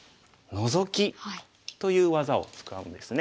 ノゾキという技を使うんですね。